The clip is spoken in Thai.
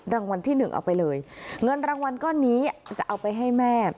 รางวัลที่หนึ่งเอาไปเลยเงินรางวัลก้อนนี้จะเอาไปให้แม่